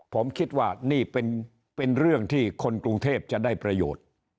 ผมคิดว่านี่เป็นเรื่องที่คนกรุงเทพจะได้ประโยชน์